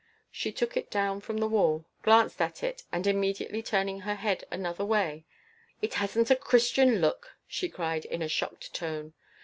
She took it down from the wall, glanced at it and immediately turning her head another way. "It hasn't a Christian look!" she cried in a shocked tone.